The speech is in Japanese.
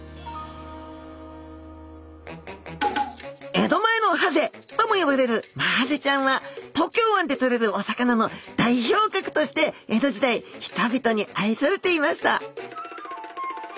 江戸前のハゼとも呼ばれるマハゼちゃんは東京湾でとれるお魚の代表格として江戸時代人々に愛されていました。